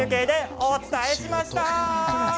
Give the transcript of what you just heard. お邪魔しました。